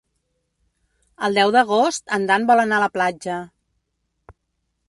El deu d'agost en Dan vol anar a la platja.